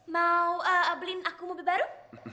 mau uplin aku mobil baru